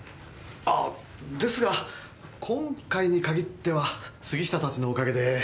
あですが今回に限っては杉下たちのおかげで。